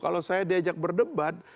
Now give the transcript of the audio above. kalau saya diajak berdebat